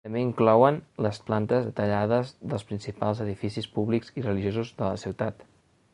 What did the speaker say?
També inclouen les plantes detallades dels principals edificis públics i religiosos de la ciutat.